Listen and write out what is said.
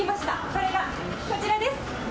それがこちらです。